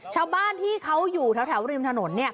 ชาวบ้านที่เขาอยู่แถวแถวริมถนนเนี่ย